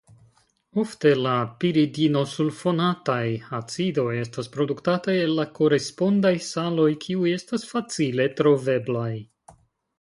Ofte la piridinosulfonataj acidoj estas produktataj el la korespondaj saloj kiuj estas facile troveblaj.